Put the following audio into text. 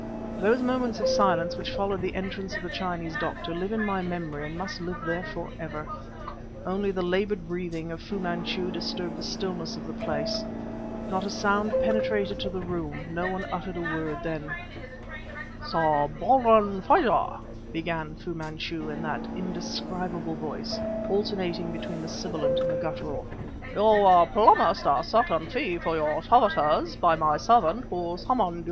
Those moments of silence which followed the entrance of the Chinese Doctor live in my memory and must live there for ever. Only the labored breathing of Fu Manchu disturbed the stillness of the place. Not a sound penetrated to the room, no one uttered a word; then "Sir Baldwin Frazer." began Fu Manchu in that indescribable voice, alternating between the sibilant and the guttural, "you were promised a certain fee for your services by my servant who summoned you.